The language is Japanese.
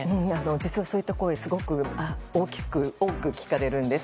実は、そういった声すごく多く聞かれるんです。